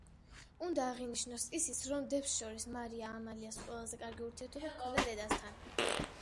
უნდა აღინიშნოს ისიც, რომ დებს შორის მარია ამალიას ყველაზე კარგი ურთიერთობა ჰქონდა დედასთან.